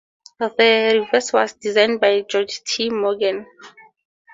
The reverse was designed by George T. Morgan.